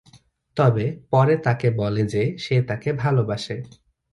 তবে পরে তাকে বলে যে সে তাকে ভালবাসে।